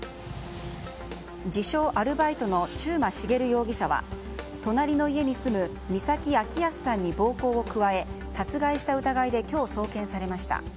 自称アルバイトの中馬茂容疑者は隣の家に住む美崎明保さんに暴行を加え殺害した疑いで今日、送検されました。